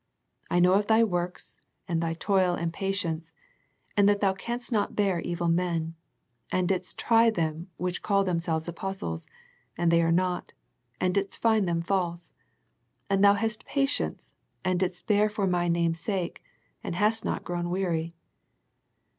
" I know thy works, and thy toil and patience, and that thou canst not bear evil men, and didst try them which call themselves apostles, and they are not, and didst find them false; and thou hast patience and didst bear for My name^s sake, and hast not grown weary."